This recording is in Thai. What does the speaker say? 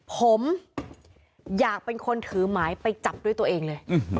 ผมอยากเป็นคนถือหมายไปจับด้วยตัวเองเลย